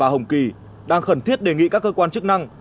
hồng kỳ đang khẩn thiết đề nghị các cơ quan chức năng